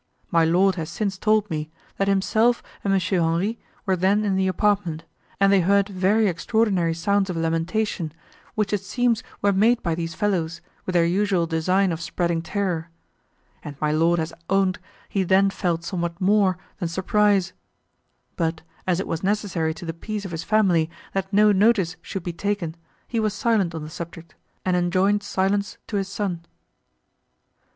My lord has since told me, that himself and M. Henri were then in the apartment, and they heard very extraordinary sounds of lamentation, which it seems were made by these fellows, with their usual design of spreading terror; and my lord has owned, he then felt somewhat more, than surprise; but, as it was necessary to the peace of his family, that no notice should be taken, he was silent on the subject, and enjoined silence to his son."